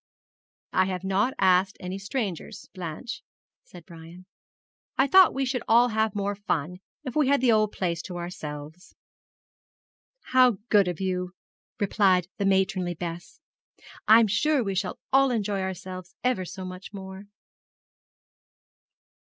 'I have not asked any strangers, Blanche,' said Brian. 'I thought we should all have more fun if we had the old place to ourselves.' 'How good of you!' replied the matronly Bess. 'I'm sure we shall all enjoy ourselves ever so much more.'